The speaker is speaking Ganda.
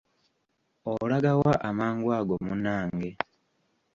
Olagawa amangu ago munnange?